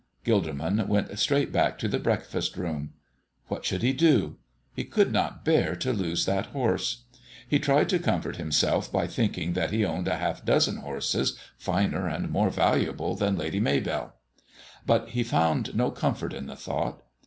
Gilderman went straight back to the breakfast room. What should he do; he could not bear to lose that horse. He tried to comfort himself by thinking that he owned a half dozen horses finer and more valuable than Lady Maybell; but he found no comfort in the thought.